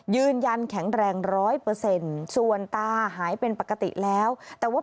ยืนยันแข็งแรงร้อยเปอร์เซ็นต์ส่วนตาหายเป็นปกติแล้วแต่ว่า